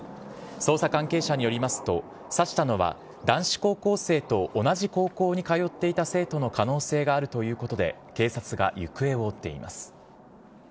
捜査関係者によりますと、刺したのは、男子高校生と同じ高校に通っていた生徒の可能性があるということで、警察が行方を追っています。